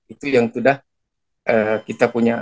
itu yang sudah kita punya